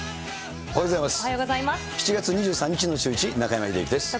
おはようございます。